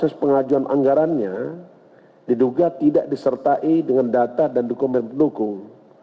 proses pengajuan anggarannya diduga tidak disertai dengan data dan dokumen pendukung